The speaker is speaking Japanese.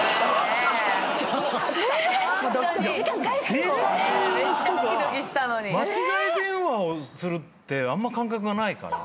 警察の人が間違い電話をするってあんま感覚がないから。